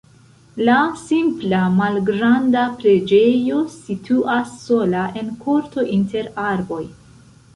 La simpla malgranda preĝejo situas sola en korto inter arboj.